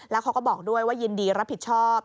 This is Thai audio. แล้วเขาก็บอกด้วยว่ายินดีรับผิดชอบ